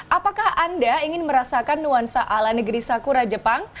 apakah anda ingin merasakan nuansa ala negeri sakura jepang